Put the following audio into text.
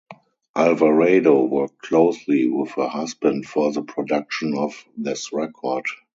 Alvarado worked closely with her husband for the production of this record.